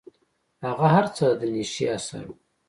هغه هر څه د نيشې اثر و.